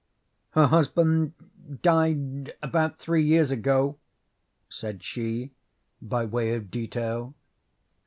"Her husband died about three years ago," said she, by way of detail.